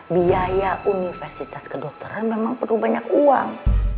biaya universitas kedokteran memang perlu banyak uang